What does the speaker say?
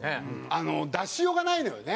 あの出しようがないのよね